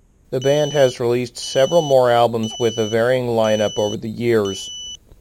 The band has released several more albums with a varying line-up over the years.